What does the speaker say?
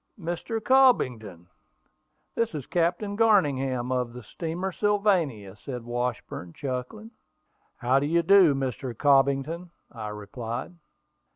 "Mr. Cobbington, this is Captain Garningham, of the steamer Sylvania," said Washburn, chuckling. "How do you do, Mr. Cobbington," I replied.